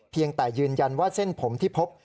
เพียงแต่ยืนยันว่าเส้นผมที่พบ